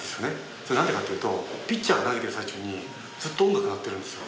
それ何でかっていうとピッチャーが投げてる最中にずっと音楽鳴ってるんですよ